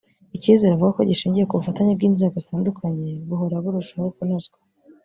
icyizere avuga ko gishingiye ku bufatanye bw’inzego zitandukanye buhora burushaho kunozwa